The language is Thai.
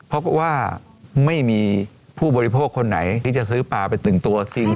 เพราะว่าไม่มีผู้บริโภคคนไหนที่จะซื้อปลาไป๑ตัว